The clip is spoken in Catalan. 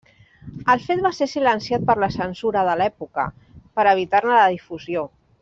El fet va ser silenciat per la censura de l'època per evitar-ne la difusió.